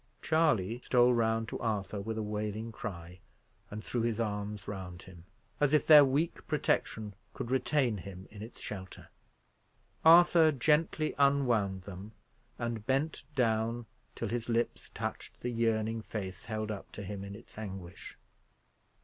Charley stole round to Arthur with a wailing cry, and threw his arms round him as if their weak protection could retain him in its shelter. Arthur gently unwound them, and bent down till his lips touched the yearning face held up to him in its anguish.